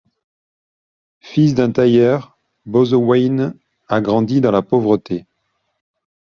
Fils d'un tailleur, Bausewein a grandi dans la pauvreté.